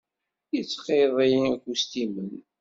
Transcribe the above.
Yettxiḍi ikustimen.